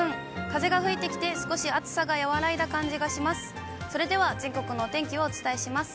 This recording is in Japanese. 風が吹いてきて、少し暑さが和らいだ感じがします。